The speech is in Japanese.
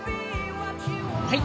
はい。